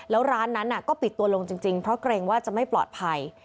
แล้วร้านนั้นก็ปิดตัวลงจริงเพราะเกรงว่าจะไม่ปลอดภัย